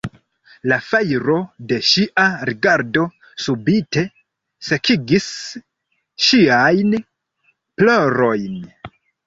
La fajro de ŝia rigardo subite sekigis ŝiajn plorojn.